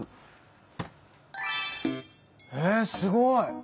えっすごい！